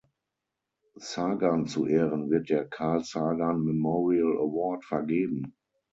Sagan zu Ehren wird der "Carl Sagan Memorial Award" vergeben.